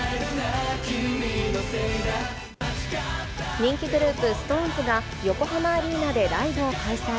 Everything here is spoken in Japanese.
人気グループ、ＳｉｘＴＯＮＥＳが、横浜アリーナでライブを開催。